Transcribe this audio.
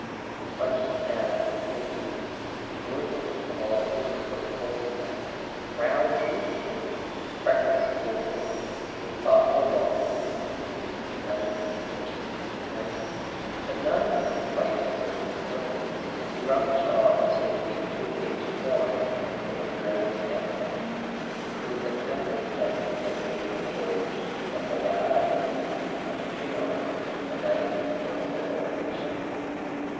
He plunged his hand into [ 397 ] A SON AT THE FRONT the heap, and Georges of all ages looked forth at him: round baby Georges, freckled schoolboys, a thoughtful long faced youth (the delicate George of St. Moritz); but none seemed quite to serve his purpose and he rummaged on till he came to a page torn from an old sketch book. It was the pencil study he had made of George as the lad lay asleep at the Crillon, the night before his mobilisation.